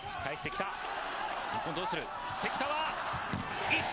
日本どうする。